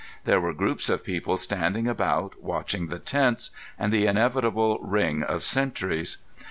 There were groups of people standing about watching the tents, and the inevitable ring of sentries.